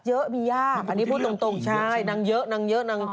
เยอะอะเยอะมียากอันนี้พูดตรงใช่นางเยอะ